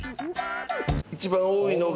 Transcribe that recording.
一番多いのが。